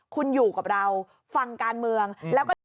คุณอยู่กับเราฟังการเมืองแล้วก็จะ